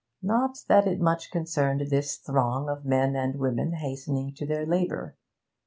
Not that it much concerned this throng of men and women hastening to their labour.